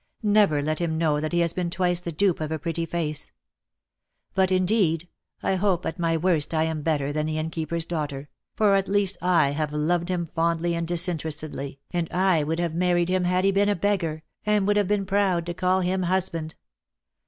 Never let him know that he has been twice the dupe of a pretty face. But, indeed, I hope at my worst I am better than the Innkeeper's daughter, for, at least, I have loved him fondly and dis interestedly, and I would have married him had he been a beggar, and would have been proud to call him husband.